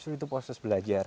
sudah itu proses belajar